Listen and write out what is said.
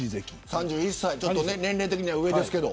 ３１歳年齢的には上ですけど。